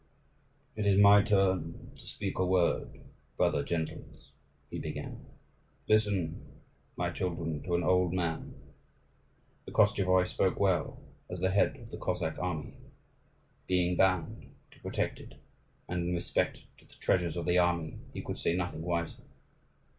"It is my turn to speak a word, brother gentles," he began: "listen, my children, to an old man. The Koschevoi spoke well as the head of the Cossack army; being bound to protect it, and in respect to the treasures of the army he could say nothing wiser.